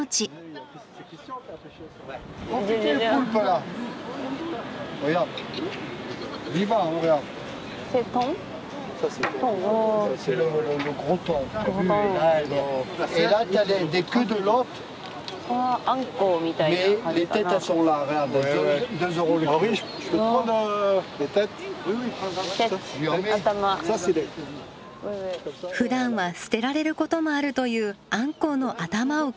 ふだんは捨てられることもあるというアンコウの頭を買うことに。